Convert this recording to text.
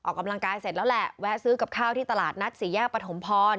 ออกกำลังกายเสร็จแล้วแหละแวะซื้อกับข้าวที่ตลาดนัดสี่แยกปฐมพร